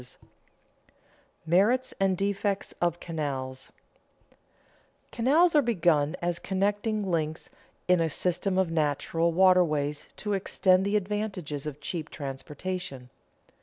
[Sidenote: Merits and defects of canals] Canals are begun as connecting links in a system of natural waterways to extend the advantages of cheap transportation.